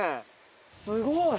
すごい！